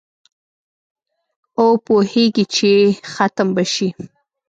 او پوهیږي چي ختم به شي